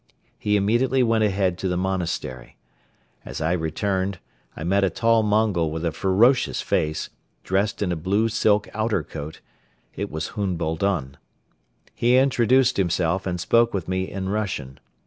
He immediately went ahead to the monastery. As I returned, I met a tall Mongol with a ferocious face, dressed in a blue silk outercoat it was Hun Boldon. He introduced himself and spoke with me in Russian.